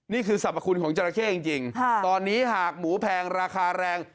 นี่คือสรรพคุณของจราเข้จริงตอนนี้หากหมูแพงราคาแรง